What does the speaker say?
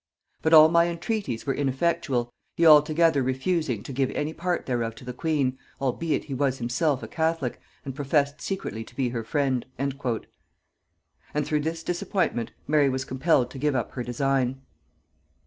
But all my entreaties were ineffectual, he altogether refusing to give any part thereof to the queen, albeit he was himself a catholic, and professed secretly to be her friend." And through this disappointment Mary was compelled to give up her design.